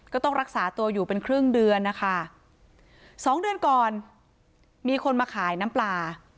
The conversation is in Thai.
ก็ต้องรักษาตัวอยู่เป็นครึ่งเดือนนะคะสองเดือนก่อนมีคนมาขายน้ำปลา